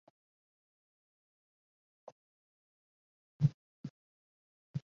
贴近尼埃普斯环形山西南边缘有一座可能形成于一次斜向撞击的泪滴状陨坑。